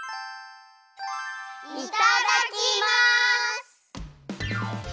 いただきます！